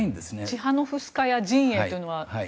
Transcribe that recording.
チハノフスカヤ陣営というのは。